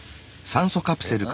酸素カプセル？